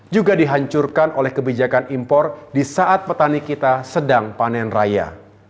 juga dihancurkan oleh kebijakan impor di saat petani kita sedang panen raya